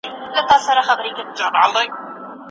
ډاکټر ډسیس وايي موږ په راتلونکې کې ډاډمن یوو.